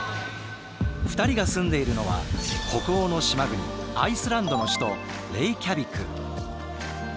２人が住んでいるのは北欧の島国アイスランドの首都レイキャビク。